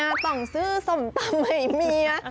รักเมียต้องซื้อส้มตำให้เมีย